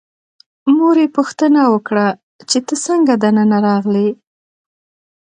مور یې پوښتنه وکړه چې ته څنګه دننه راغلې.